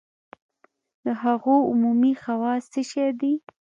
د هغو عمومي خواص څه شی دي؟